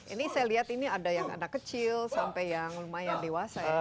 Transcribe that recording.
ini saya lihat ini ada yang anak kecil sampai yang lumayan dewasa ya